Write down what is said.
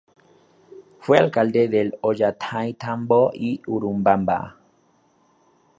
Fue alcalde de Ollantaytambo y Urubamba.